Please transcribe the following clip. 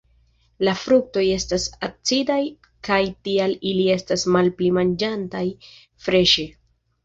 La fruktoj estas acidaj kaj tial ili estas malpli manĝataj freŝe.